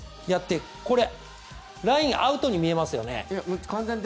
ライン、アウトに見えますよね。